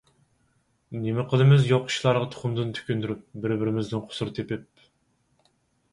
نېمە قىلىمىز يوق ئىشلارغا تۇخۇمدىن تۈك ئۈندۈرۈپ، بىر-بىرىمىزدىن قۇسۇر تېپىپ؟